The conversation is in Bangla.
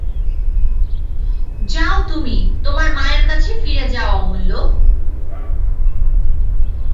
যাও তুমি, তোমার মায়ের কাছে ফিরে যাও অমূল্য।